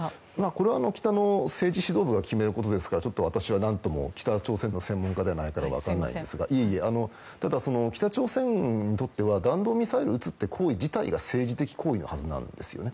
これは北の政治指導部が決めることですから私は何とも北朝鮮の専門家ではないので分かりませんがただ北朝鮮にとっては弾道ミサイル撃つということ行為自体が政治的行為のはずなんですね。